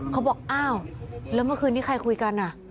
เขาบอกอ้าวแล้วเมื่อคืนนี้ใครคุยกัน